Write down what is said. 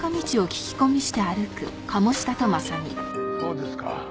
そうですか。